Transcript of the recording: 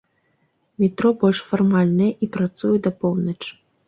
Метро больш фармальнае і працуе да поўначы.